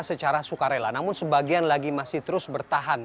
secara sukarela namun sebagian lagi masih terus bertahan